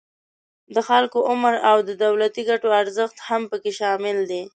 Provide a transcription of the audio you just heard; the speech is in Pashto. د خلکو عمر او د دولتی ګټو ارزښت هم پکې شامل دي